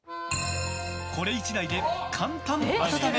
これ１台で簡単温め！